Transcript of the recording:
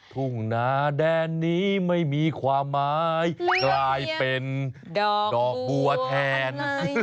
ทุ่งนาแดนนี้ไม่มีความหมายกลายเป็นดอกบัวแทน